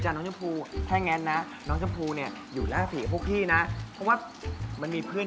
พวกมึงอยู่ร่าผีกับกันไปเลย